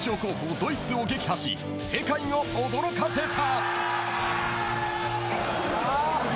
ドイツを撃破し世界を驚かせた。